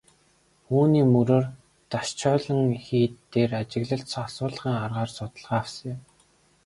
Үүний мөрөөр Дашчойлин хийд дээр ажиглалт асуулгын аргаар судалгаа авсан юм.